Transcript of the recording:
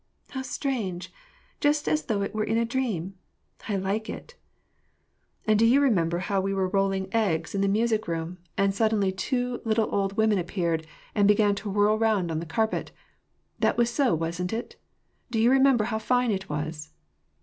" How strange ! Just as though it were in a dream ! I like it !"* "And do you remember bow we were rolling eggs in the 288 WAR AND PEACE, music room, and suddenly two little old women appeared, and began to whirl round on the carpet. That was so, wasn't it ? Do you remember how fine it was